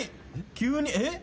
急にえっ？